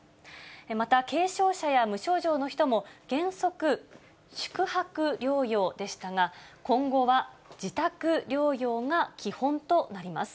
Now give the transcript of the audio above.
また軽症者や無症状の人も、原則、宿泊療養でしたが、今後は自宅療養が基本となります。